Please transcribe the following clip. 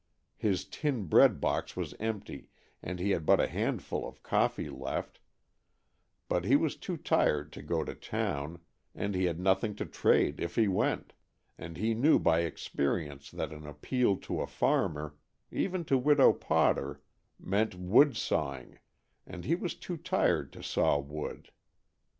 His tin breadbox was empty and he had but a handful of coffee left, but he was too tired to go to town, and he had nothing to trade if he went, and he knew by experience that an appeal to a farmer even to Widow Potter meant wood sawing, and he was too tired to saw wood.